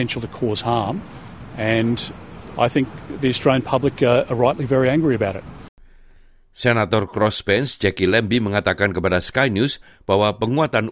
sekarang memiliki kemampuan untuk dikeluarkan ke komunitas